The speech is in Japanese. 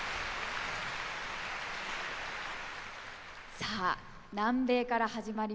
さあ南米から始まりました